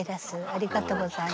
ありがとうございます。